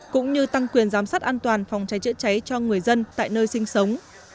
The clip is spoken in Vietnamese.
cũng như tăng quyền giám sát an toàn phòng cháy chữa cháy cho người dân tại nơi sinh sống